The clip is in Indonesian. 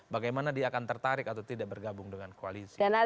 bagaimana dia akan tertarik atau tidak bergabung dengan koalisi